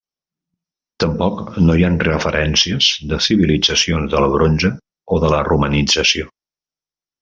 Tampoc no hi ha referències de civilitzacions del Bronze o de la romanització.